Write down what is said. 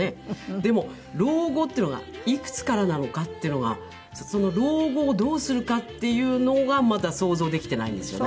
でも老後っていうのがいくつからなのかっていうのがその老後をどうするかっていうのがまだ想像できていないんですよね。